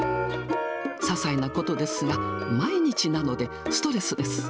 ささいなことですが、毎日なのでストレスです。